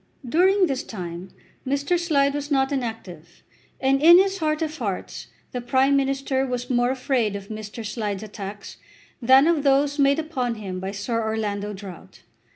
During this time Mr. Slide was not inactive, and in his heart of hearts the Prime Minister was more afraid of Mr. Slide's attacks than of those made upon him by Sir Orlando Drought.